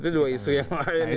itu juga isu yang lain